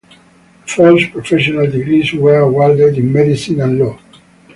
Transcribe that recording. The first professional degrees were awarded in medicine and law.